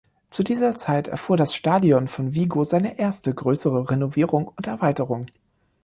Zu dieser Zeit erfuhr das Stadion von Vigo seine erste größere Renovierung und Erweiterung.